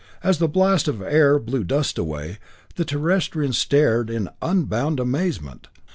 As the blast of air blew the dust away, the Terrestrians stared in unbounded amazement.